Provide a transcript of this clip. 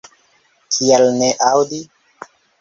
Kial ne aŭdi?